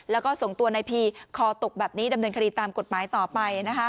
แล้วก็ส่งตัวนายพีคอตกแบบนี้ดำเนินคดีตามกฎหมายต่อไปนะคะ